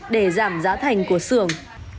để giảm giá thành của xưởng